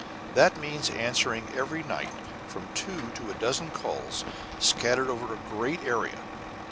That means answering every night from two to a dozen calls scattered over a great area.